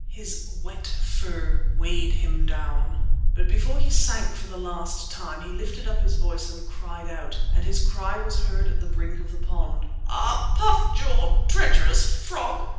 His wet fur weighed him down. But before he sank for the last time he lifted up his voice and cried out and his cry was heard at the brink of the pond: "Ah, Puff Jaw, treacherous frog!